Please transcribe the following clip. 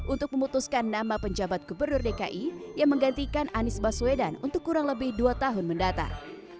untuk memutuskan nama penjabat gubernur dki yang menggantikan anies baswedan untuk kurang lebih dua tahun mendatang